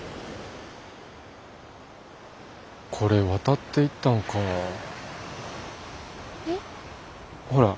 これ渡っていったんかあ。